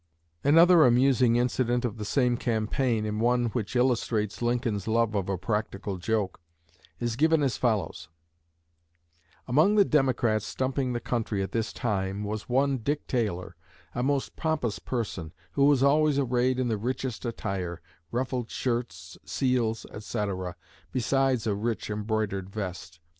'" Another amusing incident of the same campaign, and one which illustrates Lincoln's love of a practical joke, is given as follows: "Among the Democrats stumping the county at this time was one Dick Taylor, a most pompous person, who was always arrayed in the richest attire ruffled shirts, seals, etc., besides a rich embroidered vest.